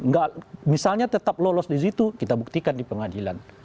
nggak misalnya tetap lolos di situ kita buktikan di pengadilan